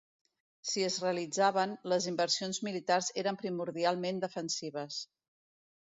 Si es realitzaven, les inversions militars eren primordialment defensives.